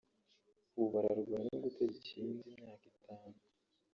ubu ararwana no gutegeka iyindi myaka itanu